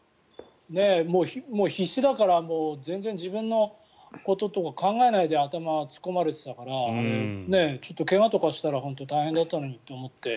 もう必死だから自分のこととか考えないで頭を突っ込まれていたからちょっと怪我とかしたら大変だなと思って。